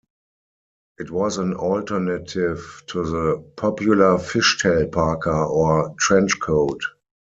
It was an alternative to the popular fishtail parka or trenchcoat.